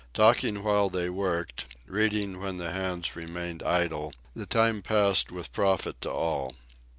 Talking while they worked, reading when the hands remained idle, the time passed with profit to all.